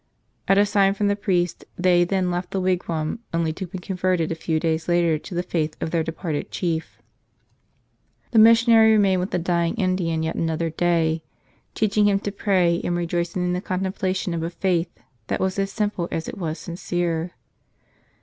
At a sign from the priest they then left the wigwam, only to be converted a few days later to the faith of their departed chief. The missionary remained with the dying Indian yet another day, teaching him to pray and rejoicing in the contemplation of a faith that was as simple as it was sincere.